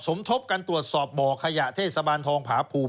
ทบกันตรวจสอบบ่อขยะเทศบาลทองผาภูมิ